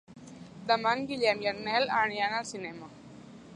Demà en Guillem i en Nel aniran al cinema.